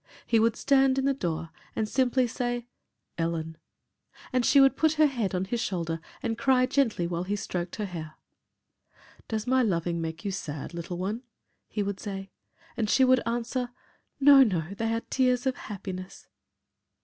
He would stand in the door and simply say, "Ellen," and she would put her head on his shoulder and cry gently while he stroked her hair. "Does my loving you make you sad, little one?" he would say, and she would answer, "No, no, they are tears of happiness."